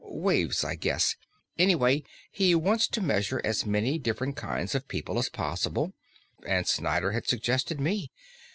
Waves, I guess. Anyway, he wants to measure as many different kinds of people as possible, and Snyder had suggested me.